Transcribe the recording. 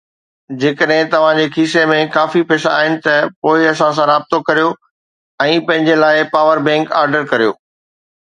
جيڪڏهن توهان جي کيسي ۾ ڪافي پئسا آهن ته پوءِ اسان سان رابطو ڪريو ۽ پنهنجي لاءِ پاور بئنڪ آرڊر ڪريو